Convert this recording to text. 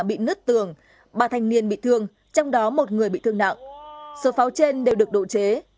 bị nứt tường ba thanh niên bị thương trong đó một người bị thương nặng số pháo trên đều được độ chế